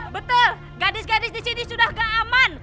betul gadis gadis di sini sudah gak aman